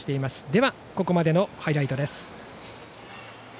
では、ここまでのハイライトです。